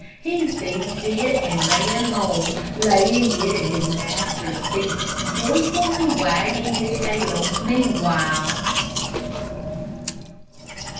He seized it and ran home, laying it at his master's feet, joyfully wagging his tail meanwhile.